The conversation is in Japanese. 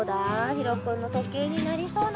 ひろくんのとけいになりそうな